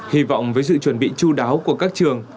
hy vọng với sự chuẩn bị chú đáo của các trường